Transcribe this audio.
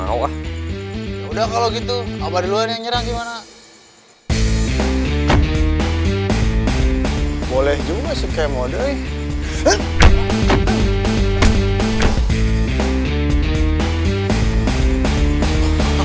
nggak mau udah kalau gitu apa duluan yang nyerah gimana